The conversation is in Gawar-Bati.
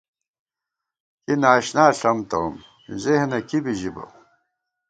کی ناشنا ݪم تَوُم ، ذِہنہ کی بی ژِبہ